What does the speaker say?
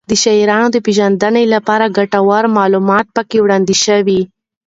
د شعر پېژندنې لپاره ګټور معلومات پکې وړاندې شوي